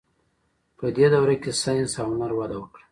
په دې دوره کې ساینس او هنر وده وکړه.